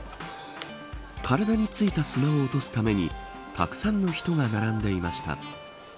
体についた砂を落とすためにたくさんの人が並んでいました。